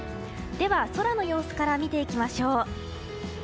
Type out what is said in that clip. では、空の様子から見ていきましょう。